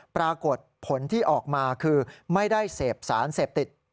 ปรากฏผลที่ออกมาคือไม่ได้เสพสารเสพติด